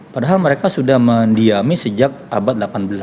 padahal mereka sudah mendiami sejak abad delapan belas